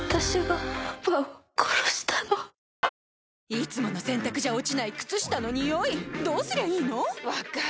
いつもの洗たくじゃ落ちない靴下のニオイどうすりゃいいの⁉分かる。